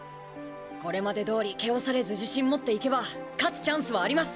これまでどおり気圧されず自信持っていけば勝つチャンスはあります！